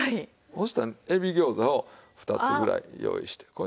そしたらエビ餃子を２つぐらい用意して。